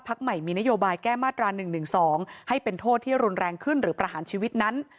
ใหม่มีนโยบายแก้มาตรา๑๑๒ให้เป็นโทษที่รุนแรงขึ้นหรือประหารชีวิตนั้น